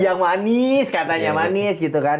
yang manis katanya manis gitu kan